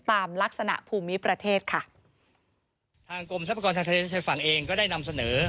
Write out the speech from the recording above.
ตามลักษณะภูมิประเทศค่ะ